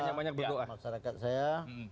menyampaikan kepada masyarakat saya